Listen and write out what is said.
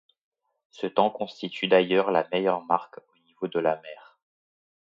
Ce temps constitue d'ailleurs la meilleure marque au niveau de la mer.